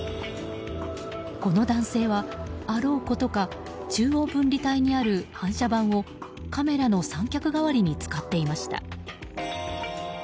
この男性は、あろうことか中央分離帯にある反射板をカメラの三脚代わりに使っていました。